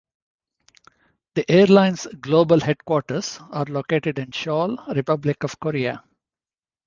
The airline's global headquarters are located in Seoul, Republic of Korea.